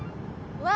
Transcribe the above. わ。